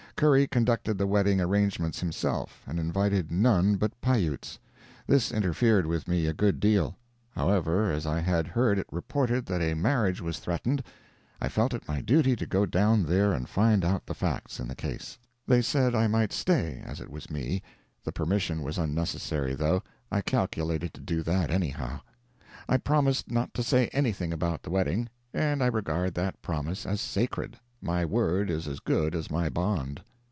Curry conducted the wedding arrangements himself, and invited none but Pi Utes. This interfered with me a good deal. However, as I had heard it reported that a marriage was threatened, I felt it my duty to go down there and find out the facts in the case. They said I might stay, as it was me; the permission was unnecessary, though—I calculated to do that anyhow. I promised not to say anything about the wedding, and I regard that promise as sacred—my word is as good as my bond.